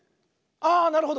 あなるほど！